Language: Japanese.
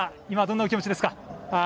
今、どんなお気持ちですか。